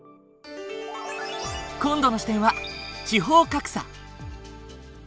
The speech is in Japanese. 今度の視点は地方格差。